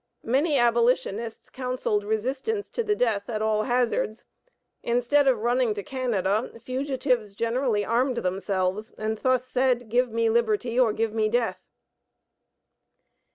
Many abolitionists counselled resistance to the death at all hazards. Instead of running to Canada, fugitives generally armed themselves and thus said, "Give me liberty or give me death."